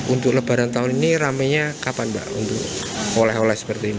untuk lebaran tahun ini ramenya kapan mbak untuk oleh oleh seperti ini